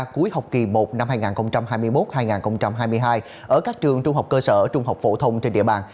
cuối học kỳ một năm hai nghìn hai mươi một hai nghìn hai mươi hai ở các trường trung học cơ sở trung học phổ thông trên địa bàn